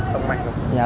tông mạnh không